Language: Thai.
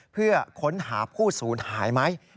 เพื่อค้นหาผู้สูญหายไหม